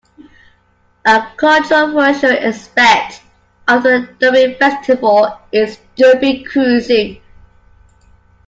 A controversial aspect of the Derby Festival is Derby Cruising.